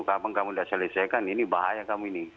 kapan kamu tidak selesaikan ini bahaya kamu ini